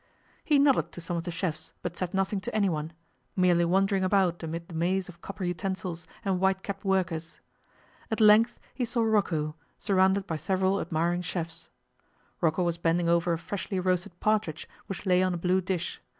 He nodded to some of the chefs, but said nothing to anyone, merely wandering about amid the maze of copper utensils, and white capped workers. At length he saw Rocco, surrounded by several admiring chefs. Rocco was bending over a freshly roasted partridge which lay on a blue dish.